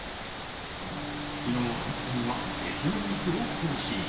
昨日、安達さんはＳＮＳを更新。